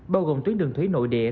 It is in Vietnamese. bao gồm tuyến đường thủy nội địa